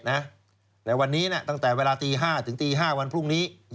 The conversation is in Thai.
ในวันนี้ตั้งแต่เวลาตี๕ถึงตี๕วันพรุ่งนี้